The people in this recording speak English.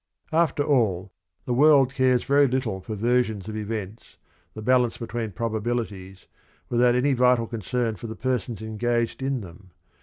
" After all, the world cares very little for versions of events, the balance between probabilities, without any vital concern for the persons engaged in them.